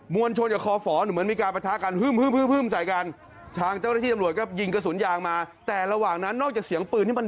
มวลชนกับคอฝอเนี่ย